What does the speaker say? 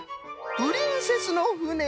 「プリンセスのふね」。